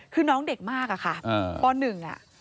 คือน้องเด็กมากอะค่ะป๑อ่ะ